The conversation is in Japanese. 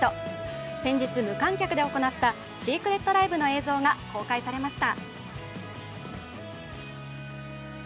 先日、無観客で行ったシークレットライブの映像が公開されました。